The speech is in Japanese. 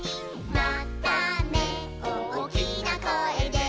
「またねおおきなこえで」